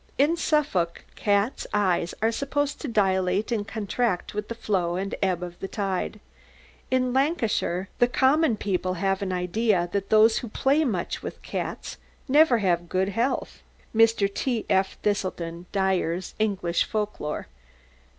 "In Suffolk, cats' eyes are supposed to dilate and contract with the flow and ebb of the tide. In Lancashire the common people have an idea that those who play much with cats never have good health."[E] [E] Mr. T. F. Thiselton Dyer's "English Folk lore."